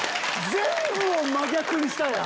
全部を真逆にしたやん！